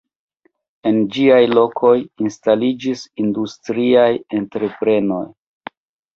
En ĝiaj lokoj instaliĝis industriaj entreprenoj.